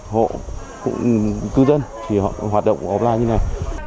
hộ cũng cư dân thì họ hoạt động offline như này